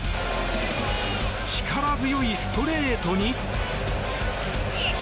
力強いストレートに。